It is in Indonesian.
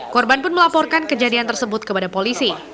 korban pun melaporkan kejadian tersebut kepada polisi